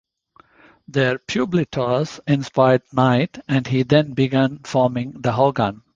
Their pueblitos inspired Knight and he then began forming the Hogan.